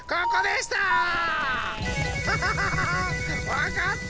わかった？